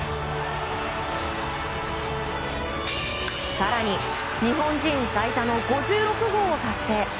更に日本人最多の５６号を達成。